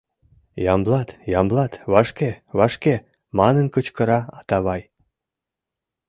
— Ямблат, Ямблат, вашке, вашке! — манын кычкыра Атавай.